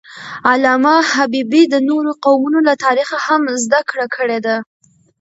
علامه حبیبي د نورو قومونو له تاریخه هم زدهکړه کړې ده.